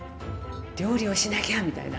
料理をしなきゃ！みたいな。